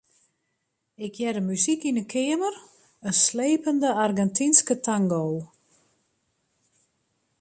Ik hearde muzyk yn in keamer, in slepende Argentynske tango.